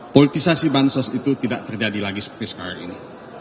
politisasi bansos itu tidak terjadi lagi seperti sekarang ini